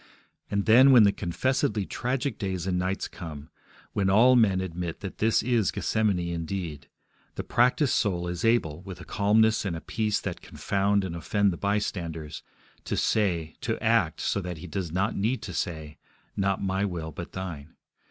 And, then, when the confessedly tragic days and nights come, when all men admit that this is Gethsemane indeed, the practised soul is able, with a calmness and a peace that confound and offend the bystanders, to say, to act so that he does not need to say, Not my will, but Thine.